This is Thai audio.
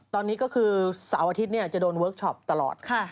ตอนนี้ก็คือเสาร์อาทิตย์จะโดนเวิร์คชอปตลอด